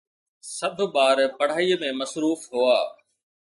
سڀ ٻار پڙهائيءَ ۾ مصروف هئا